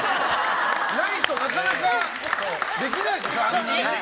ないとなかなかできないでしょ、あんなね。